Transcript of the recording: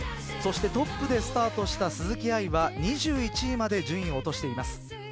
そして、トップでスタートした鈴木愛は２１位まで順位を落としています。